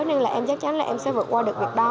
nên là em chắc chắn là em sẽ vượt qua được việc đó